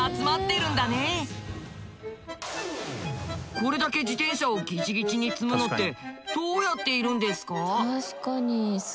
これだけ自転車をギチギチに積むのってどうやっているんですか？